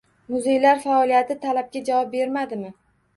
Muzeylar faoliyati talabga javob beradimi?